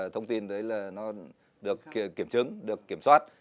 thông tin đấy là nó được kiểm chứng được kiểm soát